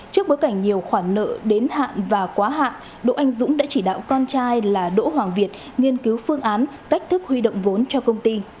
trước bối cảnh nhiều khoản nợ đến hạn và quá hạn đỗ anh dũng đã chỉ đạo con trai là đỗ hoàng việt nghiên cứu phương án cách thức huy động vốn cho công ty